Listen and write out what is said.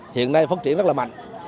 hiện nay phát triển rất là mạnh